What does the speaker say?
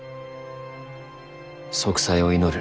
息災を祈る。